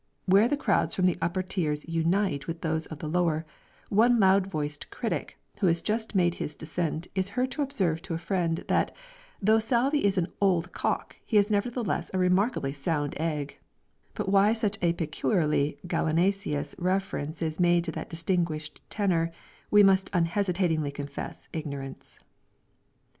Where the crowds from the upper tiers unite with those of the lower, one loud voiced critic, who has just made his descent, is heard to observe to a friend that "though Salvi is an old cock, he is nevertheless a remarkably sound egg;" but why such a peculiarly gallinaceous reference is made to that distinguished tenor, we must unhesitatingly confess ignorance.